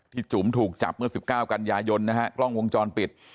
ที่จุ๋มถูกจับเมื่อสิบเก้ากันยายนนะฮะกล้องวงจรปิด